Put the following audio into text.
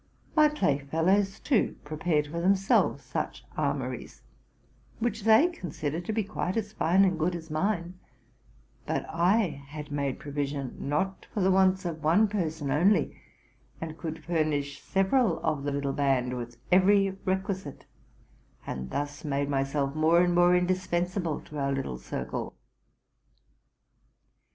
My playfellows, too, prepared for themselves such armories, which they considered to be quite as fine and good as mine ; but I had made provision, not for the wants of one person only, and could furnish several of the little band with every requi site, and thus made myself more and more indispensable to our little circle.